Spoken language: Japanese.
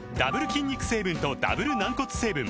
筋肉成分とダブル軟骨成分